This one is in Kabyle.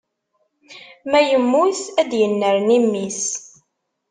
Ma yemmut ad d-yennerni mmi-s